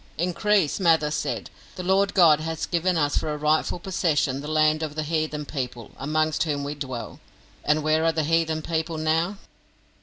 Increase Mather said: "The Lord God has given us for a rightful possession the land of the Heathen People amongst whom we dwell;" and where are the Heathen People now?